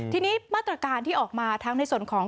ทีนี้มาตรการที่ออกมาทั้งในส่วนของ